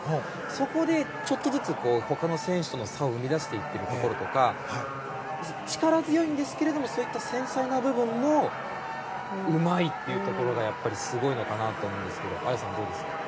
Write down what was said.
そこでちょっとずつ他の選手との差を生み出しているところとか力強いんですがそういった繊細な部分もうまいというところがすごいのかなと思うんですけど綾さん、どうですか？